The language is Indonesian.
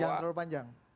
jangan terlalu panjang